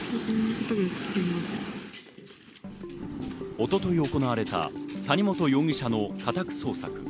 一昨日行われた谷本容疑者の家宅捜索。